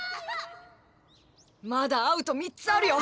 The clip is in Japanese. まだアウト３つあるよ！